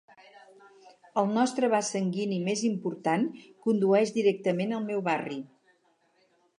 El nostra vas sanguini més important condueix directament al meu barri.